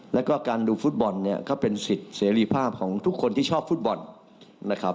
แล้วก็การดูฟุตบอลเนี่ยก็เป็นสิทธิ์เสรีภาพของทุกคนที่ชอบฟุตบอลนะครับ